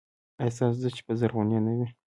ایا ستاسو دښتې به زرغونې نه وي؟